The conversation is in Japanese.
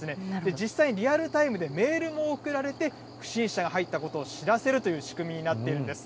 実際、リアルタイムでメールも送られて、不審者が入ったことを知らせるという仕組みになっているんです。